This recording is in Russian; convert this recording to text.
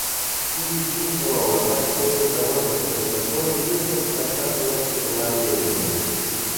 Кити чувствовала, как после того, что произошло, любезность отца была тяжела Левину.